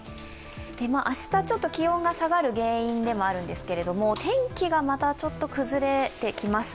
明日、気温が下がる原因でもあるんですが天気がまたちょっと崩れてきます。